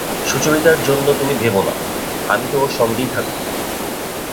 সুচরিতার জন্যে তুমি ভেবো না, আমি তো ওর সঙ্গেই থাকব।